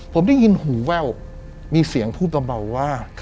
ผมได้ยินหูแวว